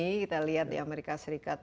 kita lihat amerika serikat